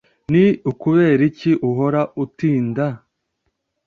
Ni ukubera iki uhora utinda?